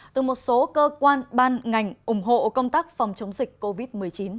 từ một số cơ quan ban ngành ủng hộ công tác phòng chống dịch covid một mươi chín